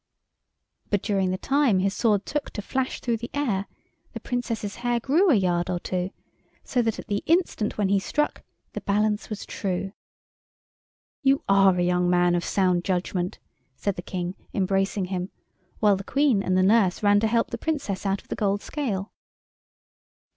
But during the time his sword took to flash through the air the Princess's hair grew a yard or two, so that at the instant when he struck the balance was true. "You are a young man of sound judgment," said the King, embracing him, while the Queen and the nurse ran to help the Princess out of the gold scale.